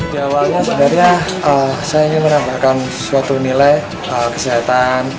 di awalnya sebenarnya saya ingin menambahkan sesuatu nilai kesehatan